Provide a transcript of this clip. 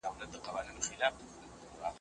ازاد انسان د دیت په توګه مه ټاکئ.